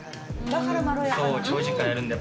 だからまろやかなんだ。